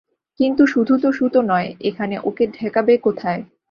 কিন্তু শুধু তো সুতো নয়– এখন ওকে ঠেকাবে কোথায়?